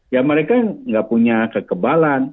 ya mereka nggak punya kekebalan